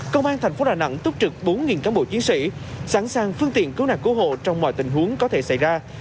công an thành phố đà nẵng túc trực bốn cán bộ chiến sĩ sẵn sàng phương tiện cứu nạn cứu hộ trong mọi tình huống có thể xảy ra